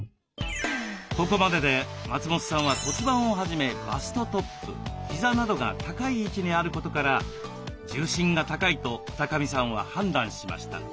ここまでで松本さんは骨盤をはじめバストトップ膝などが高い位置にあることから重心が高いと二神さんは判断しました。